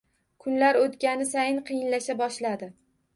Kunlar o‘tgani sayin qiyinlasha boshladi.